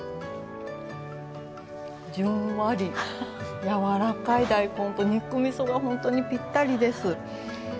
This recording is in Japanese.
じんわり、やわらかい大根と肉みそが本当にぴったりです。